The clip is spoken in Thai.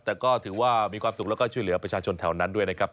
แต่ก็ถือว่ามีความสุขแล้วก็ช่วยเหลือประชาชนแถวนั้นด้วยนะครับ